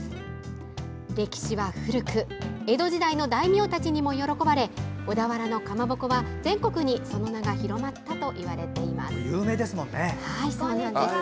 歴史は古く江戸時代の大名たちにも喜ばれ小田原のかまぼこは全国にその名が広まったいわれています。